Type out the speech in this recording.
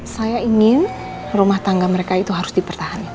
saya ingin rumah tangga mereka itu harus dipertahankan